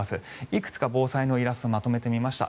いくつか防災のイラストをまとめてみました。